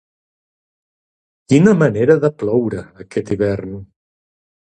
Quina manera de ploure, aquest hivern!